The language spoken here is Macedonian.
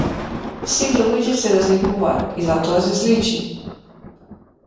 Сите луѓе се разликуваат и затоа се слични.